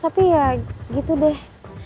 tapi ya gitu deh